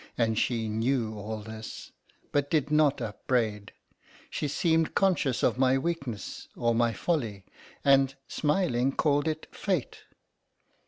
And she knew all this, but did not upbraid; she seemed conscious of my weakness or my folly, and, smiling, called it Fate.